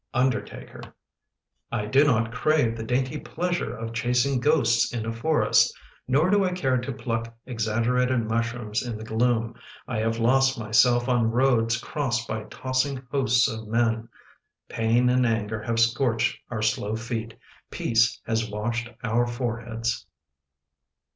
Undertaker I do not crave the dainty pleasure Of chasing ghosts in a forest! Nor do I care to pluck Exaggerated mushrooms in the gloom. I have lost myself on roads Crossed by tossing hosts of men. Pain and anger have scorched our slow feet: Peace has washed our foreheads.